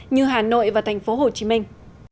như hà nội và thành phố hồ chí minh